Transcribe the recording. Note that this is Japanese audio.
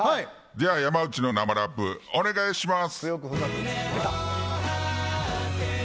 山内の生ラップお願いします。